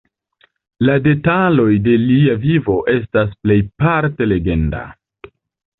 La detaloj de lia vivo estas plejparte legenda.